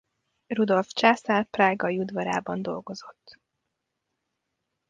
Rudolf császár prágai udvarában dolgozott.